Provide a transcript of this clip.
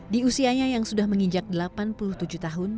di usianya yang sudah menginjak delapan puluh tujuh tahun